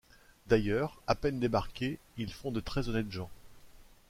D’ailleurs, à peine débarqués, ils font de très-honnêtes gens!